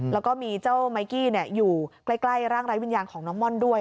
แล้วก็มีเจ้าไมกี้อยู่ใกล้ร่างไร้วิญญาณของน้องม่อนด้วย